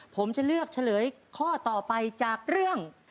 ผมจะเลือกเฉลยข้อต่อไปจากเรื่อง